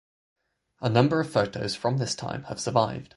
A number of photos from this time have survived.